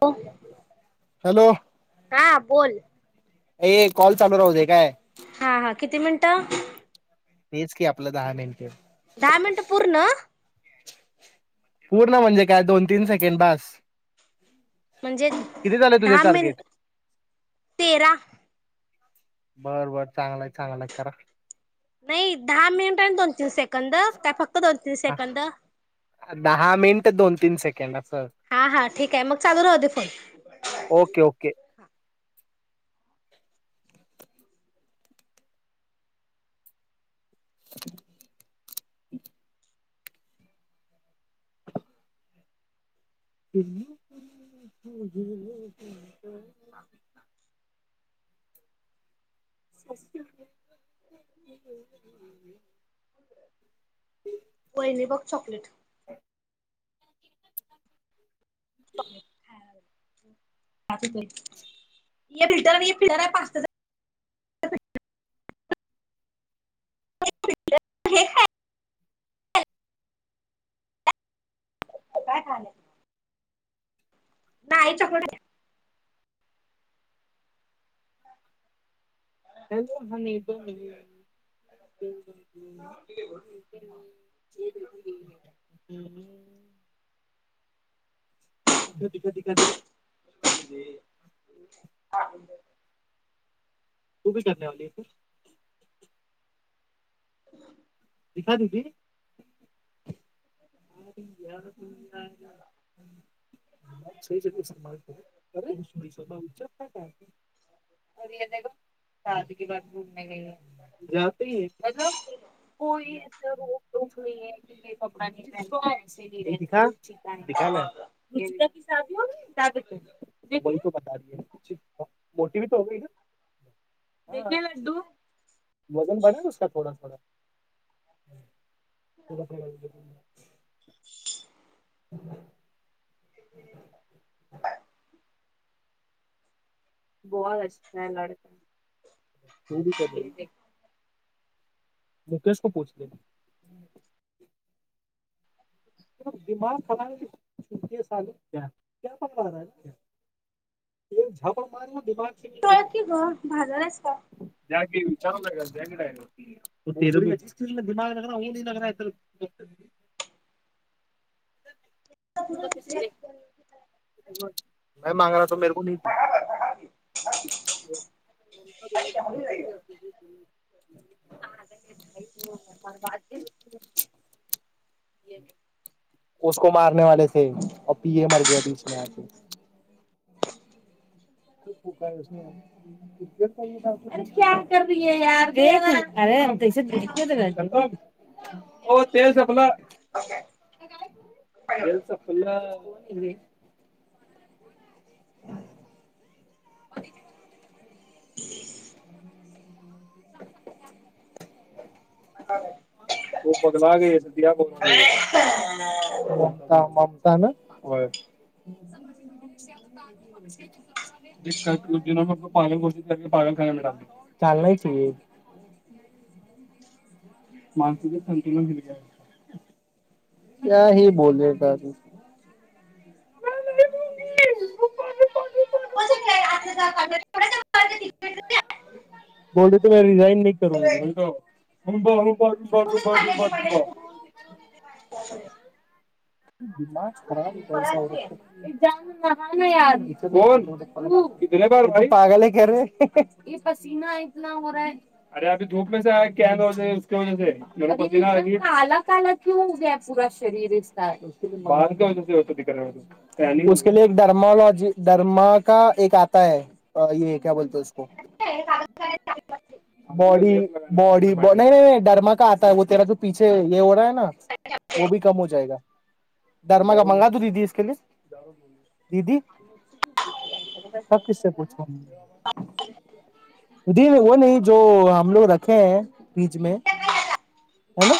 [unintelligible] Hello हा बोल ये कॉल चालू राहू दे. काय हा हा किती मिनट. तेच की आपल्या दहा मिनट. दहा मिनिट पूर्ण. पूर्ण म्हणजे काय दोन तीन सेकंड बास. म्हणजे किती झाले तुझे दहा मि टार्गेट तेरा. बर बर चांगलं आहे चांगलं आहे करा. नाही दहा मिनिट आहे दोन तीन सेकंद का फक्त. दोन तीन ह सेकंद दहा मिनिट दोन. तीन सेकंद. हा हा ठीक आहे मग चालू राहुदे फोन. ओके ओके ह्. [inaudible] वहिनी बघ चॉकलेट [inaudible] फिल्टर फिल्टर [unintelligible] [unintelligible] नाही चॉकलेट हाय. हॅलो. कधी कधी ग. [inaudible] [inaudible] [inaudible] दिखा ददी. [unintelligible] दुख नाहीय क कपड. [unintelligible] [inaudible] [unintelligible] मोठीी हो [inaudible] देखे लड्डू वजन बढ रहा है अस का थोडा थोडा. [inaudible] त [inaudible] [inaudible] [inaudible] [inaudible] बत अच्छा लका त [inaudible] मुकेश को पूछ. दिमाग खला सालू क्या पकड एक झगड मारला दिमाग [unintelligible] तळ की ग भाजल्यास का? दिम नगरा हली नगरा [inaudible] म मागणार मेरे को भी. उसको मारने वाले थे, अभी मर गया बीच में आके. [inaudible] हे अ ह [unintelligible] आगए. त बगला गय सधया बन गय. ता ना. एक ज म पागल खाने मी डाल चालकी. माणसचे संतुलन बिघडले क्या ही बोलेगा तू [unintelligible] बोल त म रिझाईन नाही करू. दिमा खराबैसा. ह यान बार पागल पसना इत हो अरे अ धूपे काला काला क हो प शरीर होतणाधून [unintelligible] क एक र्मलॉजी र्मा का एक आता ह य क्या बोलते उसको. बॉडी बॉडी नाही नाही डर्मा का आता व तेरा तो पिछे ये हो र ना वो भी कम हो जायग. दरमागा मंगा तू ददी के ददी सब किसा उदय वो नाही जो हम लो रखे है ब्रीच मे हे ना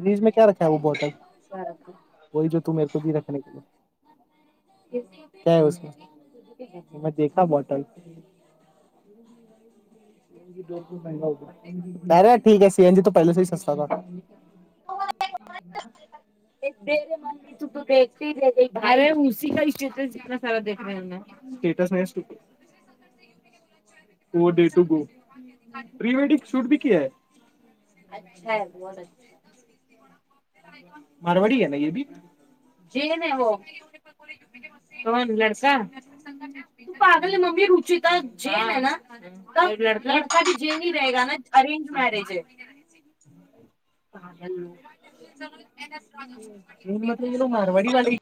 ब्रीच मे क रखा व बॉटल व ज तूमेरकी रख के काय हे उसमे मे देखा बॉटल. र ठीक आहे. सीएन जी त पहिले स सस्ता था रू अरे उ का्टटस स स्टटस टू गो प्र वेडिंग शूट भी कि मारवडी ह ना जण लका त पागल ममी रु जन ह ना लडका भी जेव ह रग ना अरेंज मॅरेज ह म मारवाडी